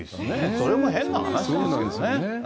それも変な話ですけどね。